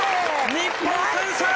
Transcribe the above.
日本、先制！